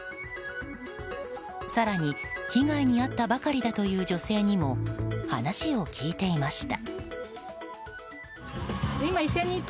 更に被害に遭ったばかりだという女性にも話を聞いていました。